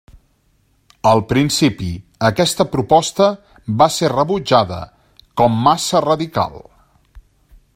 Al principi aquesta proposta va ser rebutjada com massa radical.